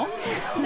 何？